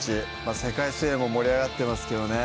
世界水泳も盛り上がってますけどね